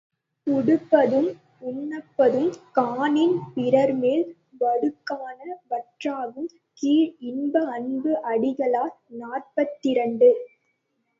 உடுப்பது உம் உண்பதூஉம் காணின் பிறர்மேல் வடுக்காண வற்றாகும் கீழ் இன்ப அன்பு அடிகளார் நாற்பத்திரண்டு.